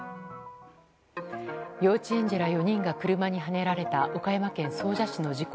幼稚園児ら４人が車にはねられた岡山県総社市の事故。